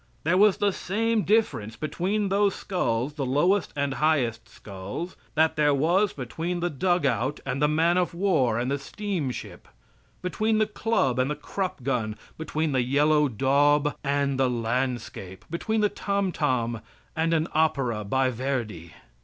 There was the same difference between those skulls, the lowest and highest skulls, that there was between the dug out and the man of war and the steamship, between the club and the Krupp gun, between the yellow daub and the landscape, between the tom tom and an opera by Verdi.